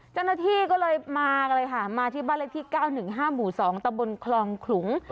เจ้าหน้าที่ก็เลยมากันเลยค่ะมาที่บ้านเลขที่๙๑๕หมู่๒ตะบนคลองขลุง